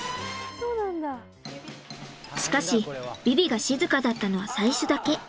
しかしヴィヴィが静かだったのは最初だけ。